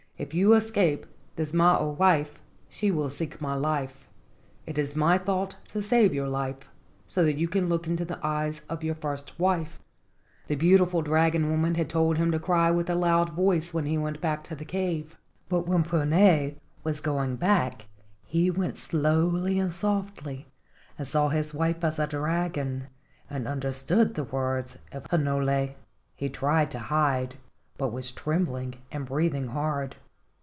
If you escape this mo o wife she will seek my life. It is my thought to save your life, so that you can look into the eyes of your first wife." PUNA AND THE DRAGON 155 The beautiful dragon woman had told him to cry with a loud voice when he went back to the cave. But when Puna was going back he went slowly and softly, and saw his wife as a dragon, and understood the words of Hinole. He tried to hide, but was trembling and breathing hard.